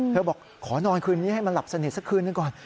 บอกขอนอนคืนนี้ให้มันหลับสนิทสักคืนหนึ่งก่อน